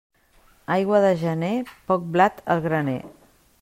Aigua de gener, poc blat al graner.